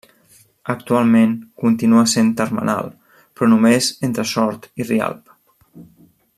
Actualment continua sent termenal, però només entre Sort i Rialb.